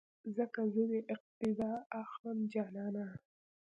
ځکه زه دې اقتیدا اخلم جانانه